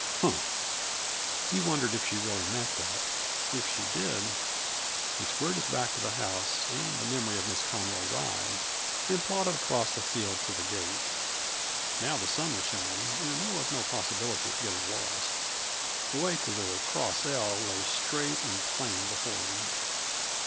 Humph! He wondered if she really meant that. If she did He squared his back to the house and the memory of Miss Conroy's eyes and plodded across the field to the gate. Now the sun was shining, and there was no possibility of getting lost. The way to the Cross L lay straight and plain before him.